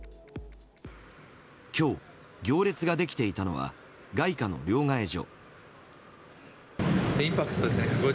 今日、行列ができていたのは外貨の両替所。